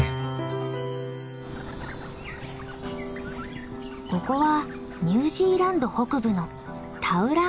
ここはニュージーランド北部のタウランガ。